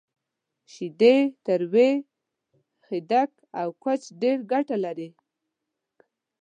شیدې، تروی، خیدک، او کوچ ډیره ګټه لری